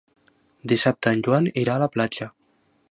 Dissabte en Joan irà a la platja.